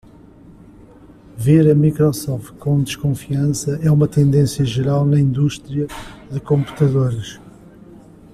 Ver a Microsoft com desconfiança é uma tendência geral na indústria de computadores.